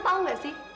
tante tau gak sih